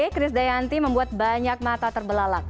chris dayanti membuat banyak mata terbelalak